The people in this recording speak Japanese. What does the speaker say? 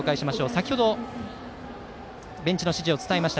先程、ベンチの指示を伝えました